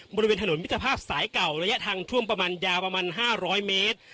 บริเวณถนนมิตรภาพสายเก่าระยะทางท่วมประมาณยาวประมาณ๕๐๐เมตร